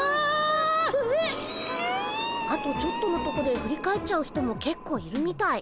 あとちょっとのとこで振り返っちゃう人もけっこういるみたい。